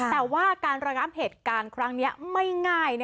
แต่ว่าการระงับเหตุการณ์ครั้งนี้ไม่ง่าย